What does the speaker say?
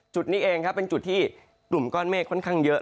จุดนี้เองครับเป็นจุดที่กลุ่มก้อนเมฆค่อนข้างเยอะ